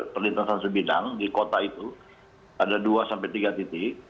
perlintasan sebidang di kota itu ada dua sampai tiga titik